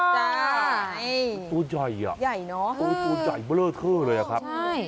ตัวใหญ่อ่ะตัวใหญ่เบอร์เทอร์เลยอ่ะครับ